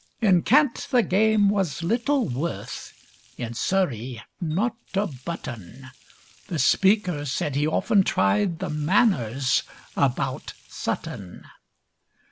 In Kent the game was little worth, In Surrey not a button; The Speaker said he often tried The Manors about Button.